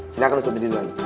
silahkan ustadz ibuan